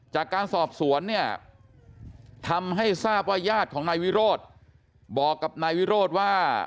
จากการสอบสวนเนี่ยทำให้ทราบว่าญาติของนายวิโรธบอกกับนายวิโรธว่า